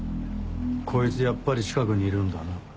こいつやっぱり近くにいるんだな。